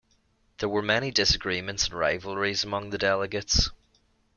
There were many disagreements and rivalries among the delegates.